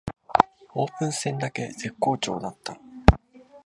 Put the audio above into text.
オープン戦だけ絶好調だった